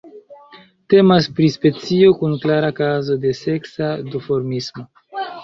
Temas pri specio kun klara kazo de seksa duformismo.